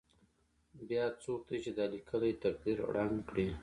بیا څوک دی چې دا لیکلی تقدیر ړنګ کړي.